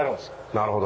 なるほど。